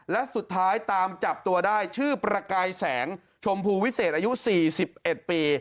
และสุดท้ายตามจับตัวได้ชื่อประกายแสงชมพูวิเศษอายุ๔๑ปี